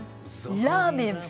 ラーメン！